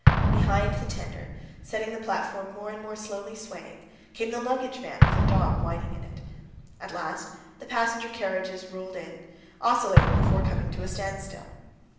Behind the tender, setting the platform more and more slowly swaying, came the luggage van with a dog whining in it. At last the passenger carriages rolled in, oscillating before coming to a standstill.